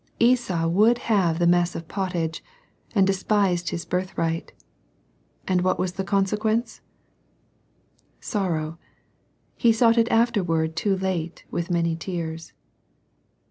Esau would have the mess of pottage, and despised his birthright. And what was the con sequence? Sorrow. He sought it afterward too late, with many tears.